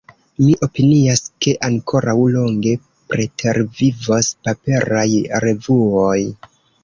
Mi opinias ke ankoraŭ longe pretervivos paperaj revuoj.